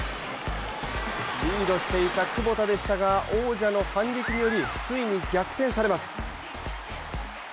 リードしていたクボタでしたが王者の反撃によりついに逆転されます。